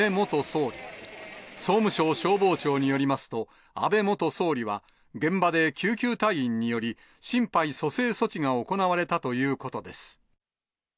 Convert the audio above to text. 総務省消防庁によりますと、安倍元総理は、現場で救急隊員により、心肺蘇生措置が行われたということです。